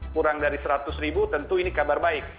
kurang dari seratus ribu tentu ini kabar baik